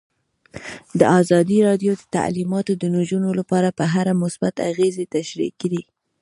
ازادي راډیو د تعلیمات د نجونو لپاره په اړه مثبت اغېزې تشریح کړي.